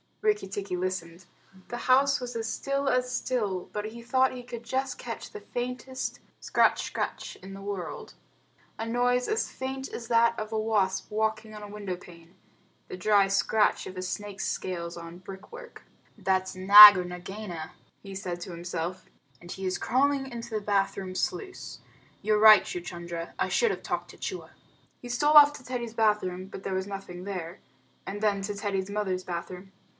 Rikki tikki listened. The house was as still as still, but he thought he could just catch the faintest scratch scratch in the world a noise as faint as that of a wasp walking on a window pane the dry scratch of a snake's scales on brick work. "That's Nag or Nagaina," he said to himself, "and he is crawling into the bath room sluice. You're right, Chuchundra; I should have talked to Chua." He stole off to Teddy's bath room, but there was nothing there, and then to Teddy's mother's bathroom.